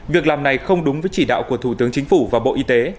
việc làm này không đúng với chỉ đạo của thủ tướng chính phủ và bộ y tế